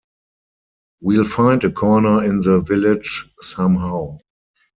We'll find a corner in the village somehow.